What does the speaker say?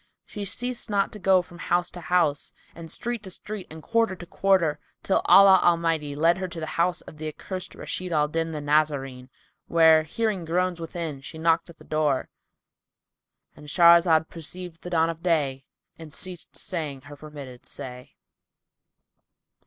She ceased not to go from house to house and street to street and quarter to quarter, till Allah Almighty led her to the house of the accursed Rashid al Din the Nazarene where, hearing groans within, she knocked at the door,—And Shahrazad perceived the dawn of day and ceased to say her permitted say.